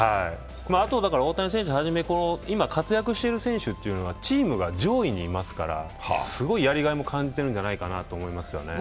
あと大谷選手、あと今活躍している選手はチームも上位にいますからすごい、やりがいも感じているんじゃないかなと思いますね。